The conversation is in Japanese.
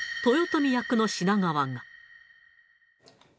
豊臣役の品川が。